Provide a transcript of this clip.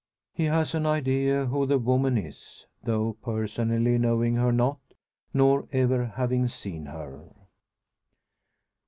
He has an idea who the woman is, though personally knowing her not, nor ever having seen her.